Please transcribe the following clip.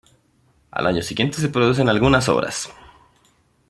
Al año siguiente se producen algunas obras.